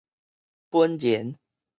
本然